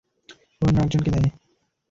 অন্য একজনকে দেয়।